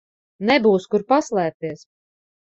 Nebūs kur paslēpties.